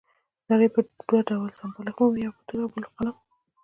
نړۍ په دوه ډول سمبالښت مومي، یو په توره او بل په قلم.